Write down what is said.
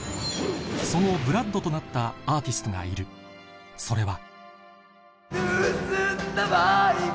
その ＢＬＯＯＤ となったアーティストがいるそれは